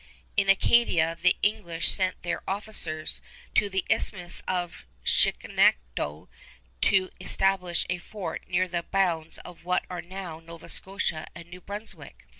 In Acadia the English send their officers to the Isthmus of Chignecto to establish a fort near the bounds of what are now Nova Scotia and New Brunswick.